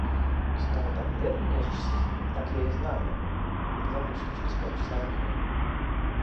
Снова под пледом нежишься? Так я и знала! Не забудь, что через полчаса выходим.